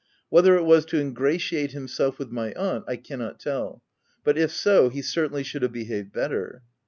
Whether it was to ingratiate himself with my aunt I cannot tell, but, if so, he certainly should have behaved better.